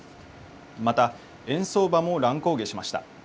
また、円相場も乱高下しました。